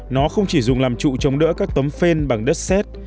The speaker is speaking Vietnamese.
nó không chỉ dùng làm trụ chống đỡ các tấm phên bằng đất xét